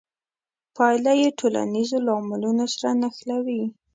پایله یې ټولنیزو لاملونو سره نښلوي.